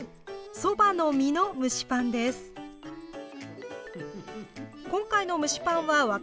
そばの実の蒸しパンです。